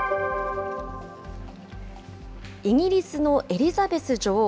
イギリスのエリザベス女王